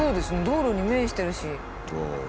道路に面してるし。